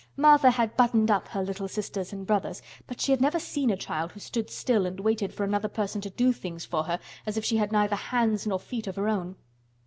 Martha had "buttoned up" her little sisters and brothers but she had never seen a child who stood still and waited for another person to do things for her as if she had neither hands nor feet of her own.